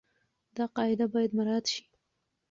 دا قاعده بايد مراعت شي.